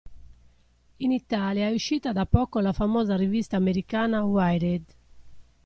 In Italia è uscita da poco la famosa rivista americana Wired.